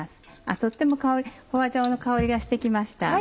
とっても花椒の香りがして来ました。